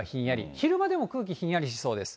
昼間でも空気ひんやりしそうです。